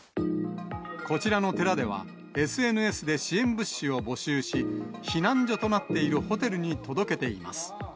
こちらの寺では、ＳＮＳで支援物資を募集し、避難所となっているホテルに届けています。